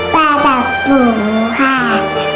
ปลากับหมูค่ะ